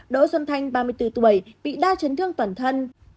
đỗ xuân thanh ba mươi bốn tuổi bị đa chấn thương toàn thân